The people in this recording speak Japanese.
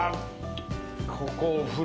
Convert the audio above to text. ここお風呂。